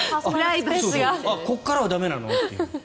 ここからは駄目なの？という。